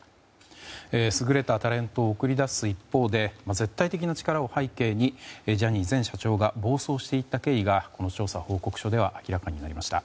優れたタレントを送り出す一方で絶対的な力を背景にジャニー前社長が暴走していった経緯がこの調査報告書では明らかになりました。